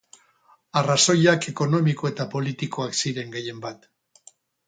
Arrazoiak ekonomiko eta politikoak ziren gehienbat.